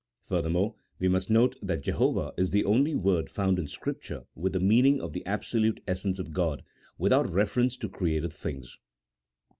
Furthermore, we must note that Jehovah is the only word found in Scripture with the meaning of the absolute essence of God, without reference to created things.